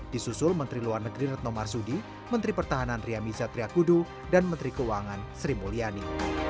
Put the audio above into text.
disusul menteri luar negeri retno marsudi menteri pertahanan ria miza triakudu dan menteri keuangan sri mulyani